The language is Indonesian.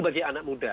bagi anak muda